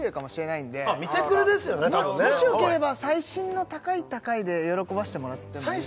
たぶんねもしよければ最新の高い高いで喜ばせてもらってもいい？